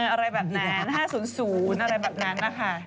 อะไรแบบนั้น๕๐๐อะไรแบบนั้นนะคะ